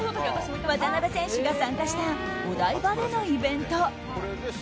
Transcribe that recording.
渡邊選手が参加したお台場でのイベント。